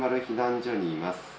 ○○避難所にいます。